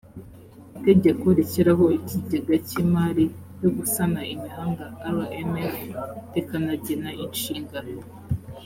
itegeko rishyiraho ikigega cy imari yo gusana imihanda rmf rikanagena inshingano